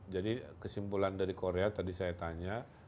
jadi kesimpulan dari korea tadi saya tanya